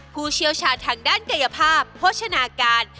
ผู้เชี่ยวชาญทางด้านกายภาพโภชนาการ